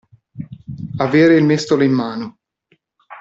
Avere il mestolo in mano.